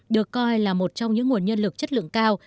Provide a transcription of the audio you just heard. được coi là một trong những nguồn nhân lực chất lượng cao